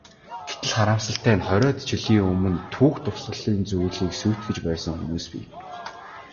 Гэтэл, харамсалтай нь хориод жилийн өмнө түүх дурсгалын зүйлийг сүйтгэж байсан хүмүүс бий.